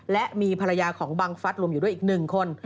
และมีภรรยาของบังฟัสรวมอยู่ด้วยอีก๑คน